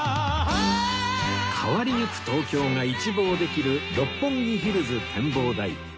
変わりゆく東京が一望できる六本木ヒルズ展望台